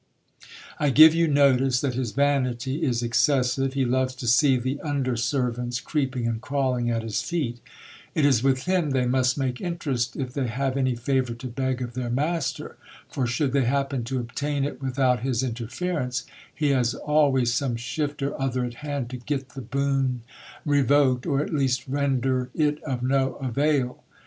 I give you notice, that his vanity is excessive ; he loves to see the under servants creeping and crawling at his feet It is with him they must make interest if they have any favour to beg of their master, for should they happen to obtain it without his interference, he has always some shift or other at hand to get the boon revoked, or at least render it of no avail.